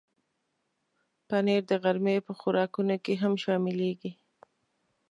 پنېر د غرمې په خوراکونو کې هم شاملېږي.